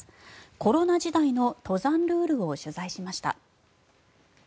コロナ時代の登山ルールを取材しました。